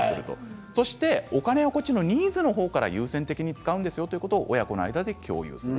そしてお金はニーズの方から優先的に使うんですよというのを親子の間で共有する。